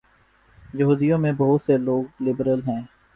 یہودیوں میں بہت سے لوگ لبرل ہیں۔